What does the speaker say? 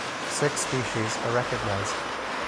Six species are recognized.